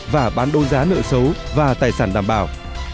và bán đấu giá nợ xấu và tài sản đảm bảo